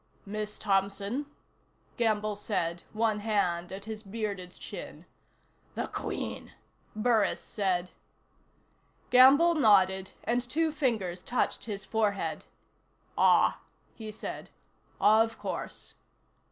"Miss Thompson?" Gamble said, one hand at his bearded chin. "The Queen," Burris said. Gamble nodded and two fingers touched his forehead. "Ah," he said. "Of course."